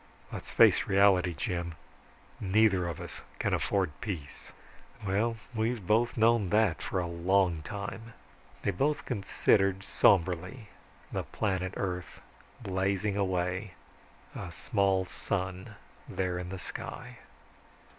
Let's face reality, Jim, neither of us can afford peace." "Well, we've both known that for a long time." They both considered somberly, the planet Earth blazing away, a small sun there in the sky.